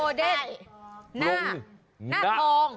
หน้าทอง